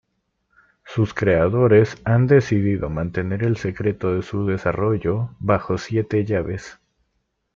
Sus creadores han decidido mantener el secreto de su desarrollo bajo siete llaves.